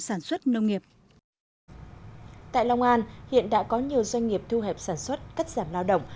sản xuất nông nghiệp tại long an hiện đã có nhiều doanh nghiệp thu hẹp sản xuất cắt giảm lao động